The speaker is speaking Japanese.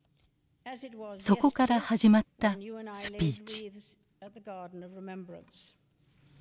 そこから始まったスピーチ。